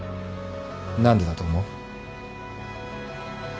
何でだと思う？